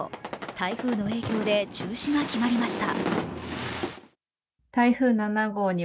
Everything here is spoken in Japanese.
台風の影響で中止が決まりました。